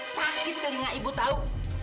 sakit kelinga ibu tahu